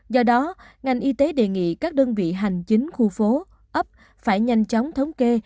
do đó ngành y tế đề nghị các đơn vị hành chính khu phố ấp phải nhanh chóng thống kê